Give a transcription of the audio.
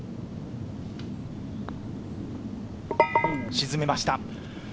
沈めました。